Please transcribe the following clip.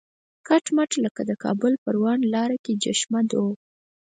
کټ مټ لکه د کابل پروان لاره کې چشمه دوغ.